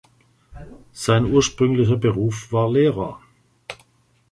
Sein ursprünglicher Beruf war Lehrer.